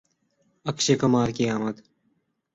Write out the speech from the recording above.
اکشے کمار کی آمد